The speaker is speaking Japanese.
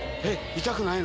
痛くないの？